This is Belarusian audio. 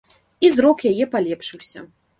І зрок яе палепшыўся.